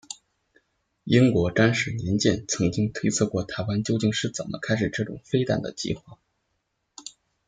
英国詹氏年鉴曾经推测过台湾究竟是怎么开始这种飞弹的计划。